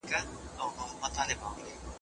د ظالمانو بيرحمي بيده وجدان لرونکی انسان ويښوي.